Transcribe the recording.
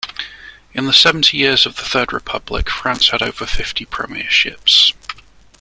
In the seventy years of the Third Republic, France had over fifty premierships.